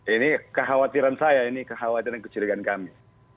ini kekhawatiran saya ini kekhawatiran dan kecurigaan kami